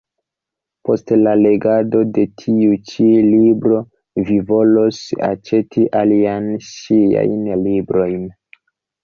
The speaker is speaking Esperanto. Post la legado de tiu ĉi libro, vi volos aĉeti aliajn ŝiajn librojn.